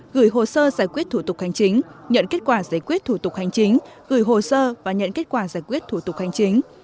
gửi hồ sơ giải quyết thủ tục hành chính nhận kết quả giải quyết thủ tục hành chính gửi hồ sơ và nhận kết quả giải quyết thủ tục hành chính